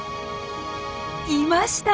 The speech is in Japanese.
いました！